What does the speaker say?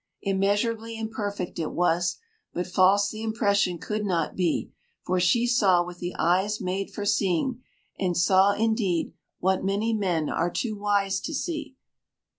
Immeasurably imperfect it was, but false the impression could not be, for she saw with the eyes made for seeing, and saw indeed what many men are too wise to see.